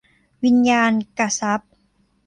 วิญญาณกทรัพย์